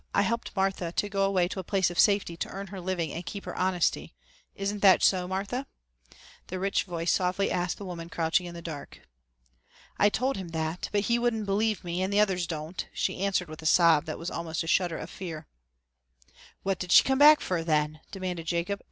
I helped Martha to go away to a place of safety to earn her living and keep her honesty. Isn't that so, Martha?" the rich voice softly asked the woman crouching in the dark. "I told him that but he wouldn't believe me and the others don't," she answered with a sob that was almost a shudder of fear. "What did she come back fer then?" demanded Jacob.